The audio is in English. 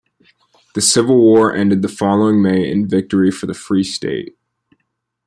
The Civil War ended the following May in victory for the Free State.